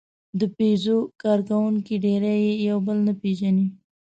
د پيژو کارکوونکي ډېری یې یو بل نه پېژني.